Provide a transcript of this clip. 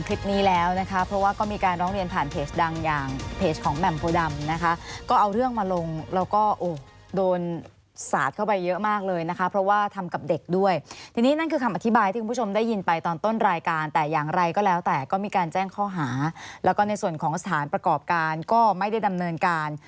แล้วนะคะเพราะว่าก็มีการร้องเรียนผ่านเพจดังอย่างเพจของแหม่มโพดำนะคะก็เอาเรื่องมาลงแล้วก็โอ้โดนสาดเข้าไปเยอะมากเลยนะคะเพราะว่าทำกับเด็กด้วยทีนี้นั่นคือคำอธิบายที่คุณผู้ชมได้ยินไปตอนต้นรายการแต่อย่างไรก็แล้วแต่ก็มีการแจ้งข้อหาแล้วก็ในส่วนของสถานประกอบการก็ไม่ได้ดำเนินการ